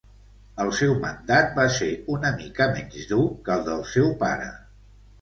El seu mandat va ser una mica menys dur que el del seu pare.